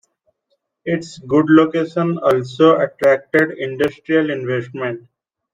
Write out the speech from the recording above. Its good location also attracted industrial investment.